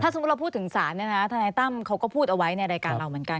สมมุติเราพูดถึงศาลทนายตั้มเขาก็พูดเอาไว้ในรายการเราเหมือนกัน